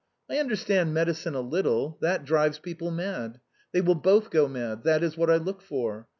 I understand medicine a little; that drives people mad. They will both go mad ; that is what I look for.